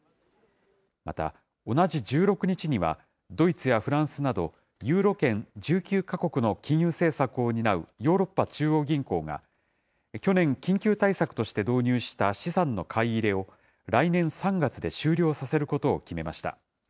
また、同じ１６日には、ドイツやフランスなど、ユーロ圏１９か国の金融政策を担うヨーロッパ中央銀行が、去年、緊急対策として導入した資産の買い入れを、来年３月で終了させることを決めました。